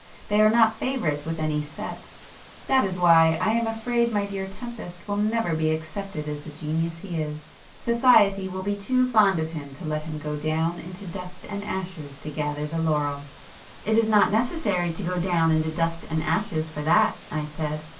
They are not favourites with any 'set'; that is why I am afraid my dear friend Tempest will never be accepted as the genius he is; society will be too fond of him to let him go down into dust and ashes to gather the laurel." "It is not necessary to go down into dust and ashes for that," I said.